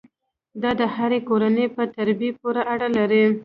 دا د هرې کورنۍ په تربیې پورې اړه لري.